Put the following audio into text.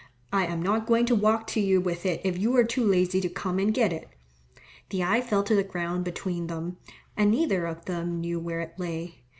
I am not going to walk to you with it if you are too lazy to come and get it." The eye fell to the ground between them, and neither of them knew where it lay.